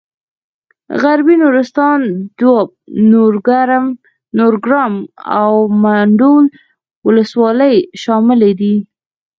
غربي نورستان دواب نورګرام او منډول ولسوالۍ شاملې دي.